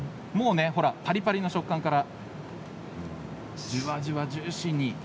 パリパリの食感からじわじわジューシーに。